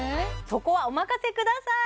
そこはお任せください